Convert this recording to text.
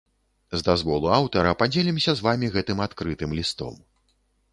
З дазволу аўтара падзелімся з вамі гэтым адкрытым лістом.